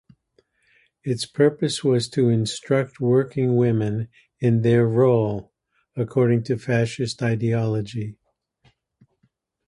Its purpose was to instruct working women in their role according to fascist ideology.